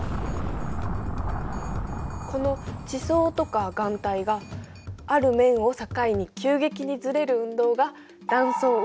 この地層とか岩体がある面を境に急激にずれる運動が断層運動だよね。